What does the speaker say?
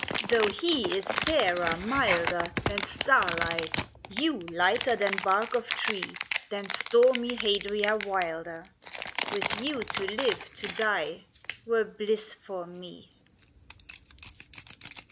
L. Though he is fairer, milder, Than starlight, you lighter than bark of tree, Than stormy Hadria wilder, With you to live, to die, were bliss for me.